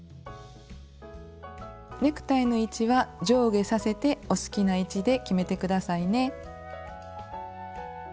ネクタイの位置は上下させてお好きな位置で決めて下さいね。